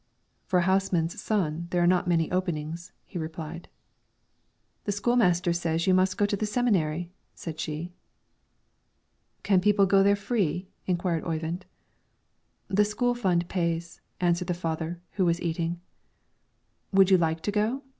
"For a houseman's son, there are not many openings," he replied. "The school master says you must go to the seminary," said she. "Can people go there free?" inquired Oyvind. "The school fund pays," answered the father, who was eating. "Would you like to go?"